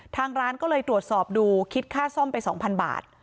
ทางร้านก็เลยตรวจสอบดูคิดค่าซ่อมไป๒๐๐บาท